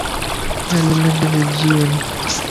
ھيلمٽ وجي وڃ